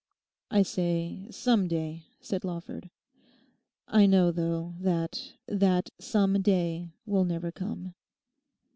'I say "some day,"' said Lawford; 'I know, though, that that some day will never come.